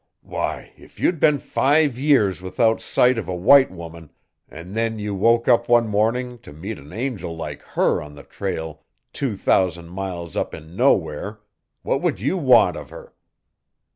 "Why, if you'd been five years without sight of a white woman, an' then you woke up one morning to meet an angel like HER on the trail two thousand miles up in nowhere what would you want of her?